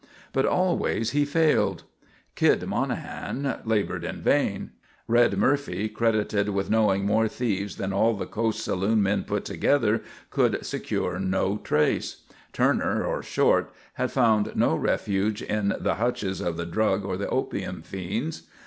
But always he failed. "Kid" Monahan laboured in vain; "Red" Murphy, credited with knowing more thieves than all the coast saloon men put together, could secure no trace; Turner, or Short, had found no refuge in the hutches of the drug or the opium fiends.